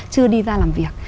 chưa đi ra làm việc